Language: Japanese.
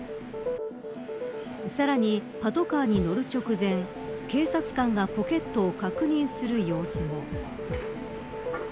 さらに、パトカーに乗る直前警察官がポケットを確認する様子も。